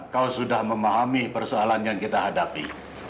kau sudah memahami persoalan yang kita hadapi